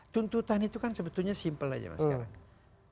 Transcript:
tuntutan itu kan sebetulnya simpel aja mas sekarang